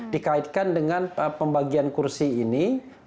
dikaitkan dengan pembagian kursi ini